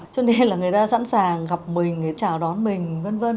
cho nên là người ta sẵn sàng gặp mình chào đón mình vân vân